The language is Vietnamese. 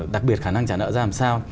đặc biệt khả năng trả nợ ra làm sao